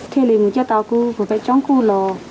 thế lịch mình chưa tạo cưu phải trống cưu lò